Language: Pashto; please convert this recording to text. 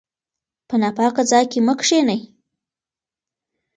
په ناپاکه ځای کې مه کښینئ.